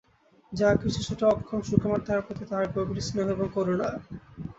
যাহা কিছু ছোটো, অক্ষম, সুকুমার তাহার প্রতি তাহার গভীর স্নেহ এবং করুণা।